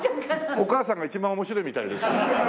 お母さんが一番面白いみたいですね。